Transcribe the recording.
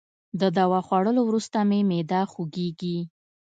د دوا خوړولو وروسته مي معده خوږیږي.